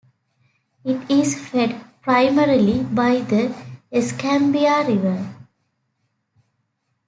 It is fed primarily by the Escambia River.